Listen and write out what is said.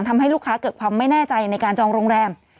ทำให้ลูกค้าเกิดความไม่แน่ใจในการจองโรงแรม